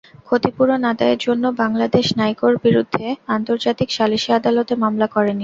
ক্ষতিপূরণ আদায়ের জন্য বাংলাদেশ নাইকোর বিরুদ্ধে আন্তর্জাতিক সালিসি আদালতে মামলা করেনি।